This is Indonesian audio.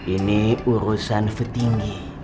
ini urusan petinggi